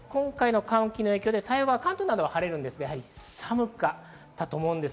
今回の寒気の影響で関東などは晴れるんですが、寒かったと思うんです。